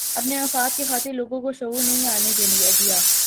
اپنے مفاد کی خاطرلوگوں کو شعور نہیں آنے دیا